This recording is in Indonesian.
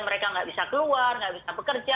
mereka nggak bisa keluar nggak bisa bekerja